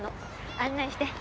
案内して。